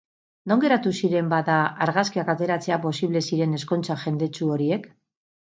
Non geratu ziren, bada, argazkiak ateratzea posible ziren ezkontza jendetsu horiek?